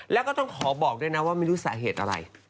แล้วก็ต้องขอบอกด้วยนะว่าไม่รู้สาเหตุอะไร